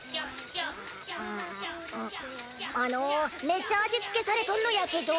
あのめっちゃ味付けされとんのやけど。